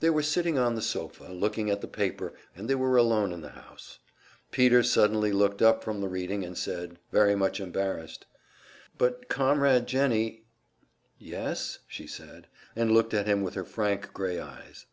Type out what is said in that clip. They were sitting on the sofa, looking at the paper, and they were alone in the house. Peter suddenly looked up from the reading and said, very much embarrassed, "But Comrade Jennie " "Yes," she said, and looked at him with her frank grey eyes.